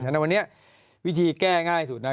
ฉะวันนี้วิธีแก้ง่ายสุดนะ